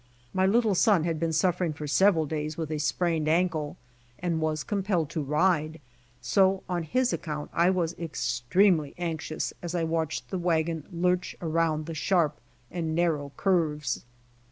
My little son had been suffering for several days with a sprained ankle and was compelled to ride, so on his account I was extremely anxious as I watched the wagon lurch around the sharp and narrow curves.